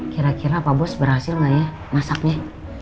kira kira pak bos berhasil nggak ya masaknya